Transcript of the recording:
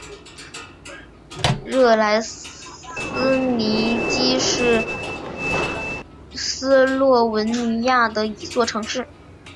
热莱兹尼基是斯洛文尼亚的一座城市。